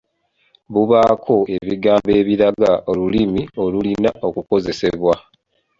Bubaako ebigambo ebiraga Olulimi olulina okukozesebwa.